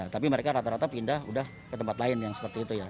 tapi mereka rata rata pindah udah ke tempat lain yang seperti itu ya